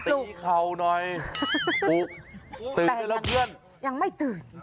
ตื่นอยู่แล้วเพื่อน